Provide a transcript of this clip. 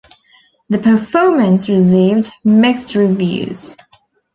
The performance received mixed reviews.